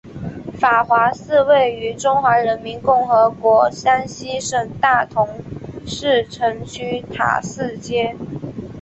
法华寺位于中华人民共和国山西省大同市城区塔寺街。